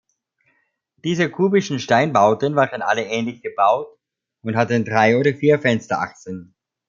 Diese kubischen Steinbauten waren alle ähnlich gebaut und hatten drei oder vier Fensterachsen.